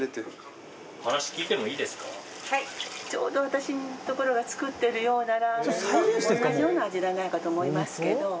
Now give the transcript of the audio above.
ちょうど私の所が作ってるようなラーメンと同じような味じゃないかと思いますけど。